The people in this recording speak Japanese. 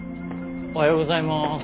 おはようございます。